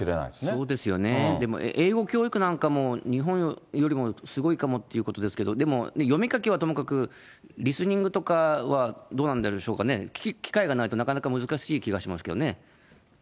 そうですよね、でも英語教育なんかも、日本よりもすごいかもということですけれども、でも、読み書きはともかく、リスニングとかはどうなんでしょうかね、機会がないとなかなか難しい気がしますけどね。